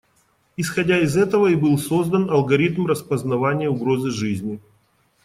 Исходя из этого и был создан алгоритм распознавания угрозы жизни.